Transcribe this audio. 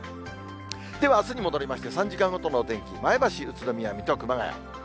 では、あすに戻りまして、３時間ごとのお天気、前橋、宇都宮、水戸、熊谷。